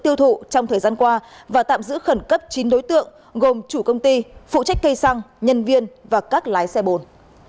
tiêu thụ trong thời gian qua và tạm giữ khẩn cấp chín đối tượng gồm chủ công ty phụ trách cây xăng nhân viên và các lái xe bồn